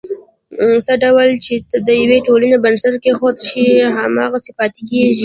څه ډول چې د یوې ټولنې بنسټ کېښودل شي، هماغسې پاتې کېږي.